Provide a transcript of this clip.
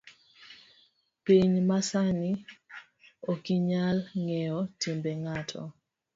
Piny masani okinyal ngeyo timbe ngato